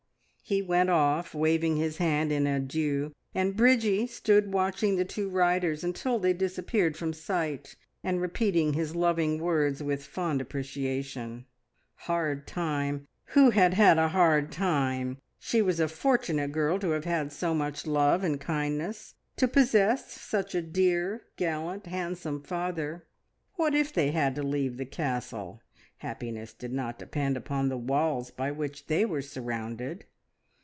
He went off waving his hand in adieu, and Bridgie stood watching the two riders until they disappeared from sight, and repeating his loving words with fond appreciation. Hard time! Who had had a hard time? She was a fortunate girl to have had so much love and kindness, to possess such a dear, gallant, handsome father. What if they had to leave the Castle? Happiness did not depend upon the walls by which they were surrounded.